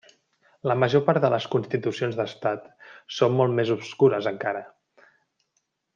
La major part de les constitucions d'estat són molt més obscures encara.